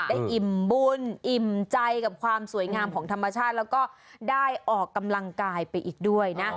อิ่มบุญอิ่มใจกับความสวยงามของธรรมชาติแล้วก็ได้ออกกำลังกายไปอีกด้วยนะ